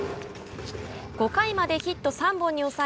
５回までヒット３本に抑え